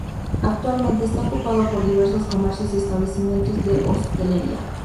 Actualmente está ocupado por diversos comercios y establecimientos de hostelería.